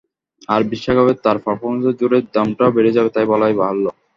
আর বিশ্বকাপে তাঁর পারফরম্যান্সের জোরে দামটাও বেড়ে যাবে তা বলাই বাহুল্য।